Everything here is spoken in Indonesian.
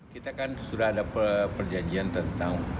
kita kan sudah ada perjanjian tentang